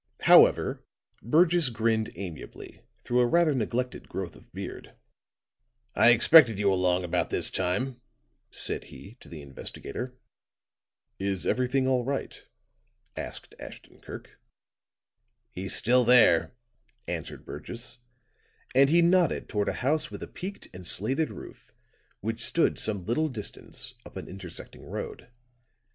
However, Burgess grinned amiably through a rather neglected growth of beard. "I expected you along about this time," said he, to the investigator. "Is everything all right?" asked Ashton Kirk. "He's still there," answered Burgess, and he nodded toward a house with a peaked and slated roof which stood some little distance up an intersecting road.